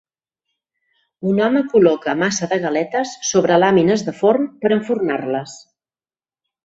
Un home col·loca massa de galetes sobre làmines de forn per enfornar-les.